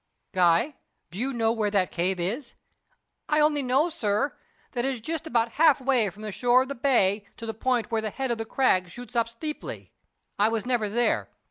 "Guy, do you know where that cave is?" "I only know, sir, that it is just about half way from the shore of the bay to the point where the head of the Crag shoots up steeply. I was never there.